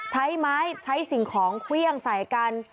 ใช้ไม้ใช้สิ่งของเครื่องใส่กัน